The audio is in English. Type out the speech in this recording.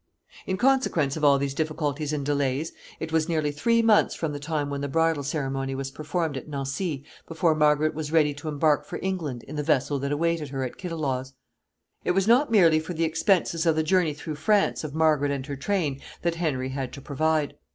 ] In consequence of all these difficulties and delays, it was nearly three months from the time when the bridal ceremony was performed at Nancy before Margaret was ready to embark for England in the vessel that awaited her at Kiddelaws. [Sidenote: Expenses to be incurred in England.] It was not merely for the expenses of the journey through France of Margaret and her train that Henry had to provide.